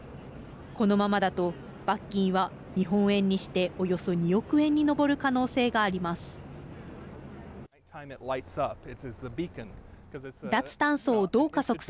このままだと罰金は日本円にしておよそ２億円に上る可能性があります。